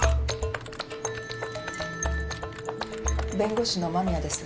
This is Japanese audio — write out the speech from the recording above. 弁護士の間宮です。